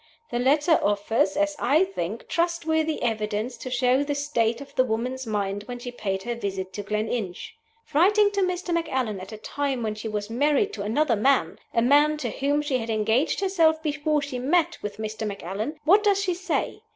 The letter offers, as I think, trustworthy evidence to show the state of the woman's mind when she paid her visit to Gleninch. Writing to Mr. Macallan, at a time when she was married to another man a man to whom she had engaged herself before she met with Mr. Macallan what does she say?